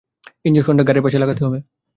ইঞ্জেকশনটা ঘাড়ের পাশে লাগাতে হবে।